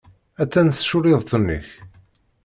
Attan tculliḍt-nnek.